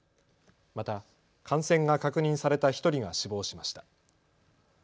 また感染が確認された１人が死亡しました。